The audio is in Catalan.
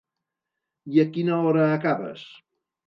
I a quina hora acabes?